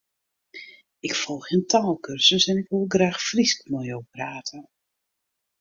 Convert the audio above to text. Ik folgje in taalkursus en ik wol graach Frysk mei jo prate.